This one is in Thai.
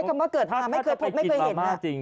ถ้าไปกินบาม่าจริง